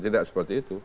tidak seperti itu